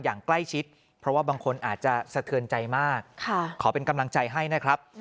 อย่างใกล้ชิดเพราะว่าบางคนอาจจะสะเทือนใจมากขอเป็นกำลังใจให้นะครับ